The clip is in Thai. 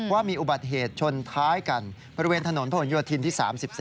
ว่ามีอุบัติเหตุชนท้ายกันบริเวณถนนผลโยธินที่๓๔